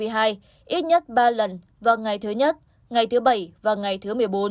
ít nhất ba lần vào ngày thứ nhất ngày thứ bảy và ngày thứ một mươi bốn